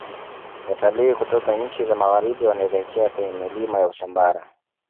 Watilii kutoka nchi za magharibi wanaelekea kwenye milima ya usambara